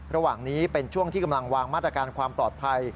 ระหว่างนี้เป็นช่วงที่กำลังวางมาตรการความปลอดภัย